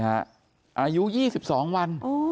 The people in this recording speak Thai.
อายุ๒๒วัน